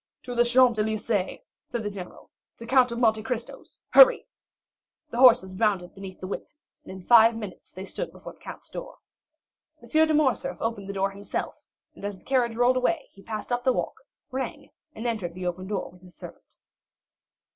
"To the Champs Élysées," said the general; "the Count of Monte Cristo's. Hurry!" The horses bounded beneath the whip; and in five minutes they stopped before the count's door. M. de Morcerf opened the door himself, and as the carriage rolled away he passed up the walk, rang, and entered the open door with his servant.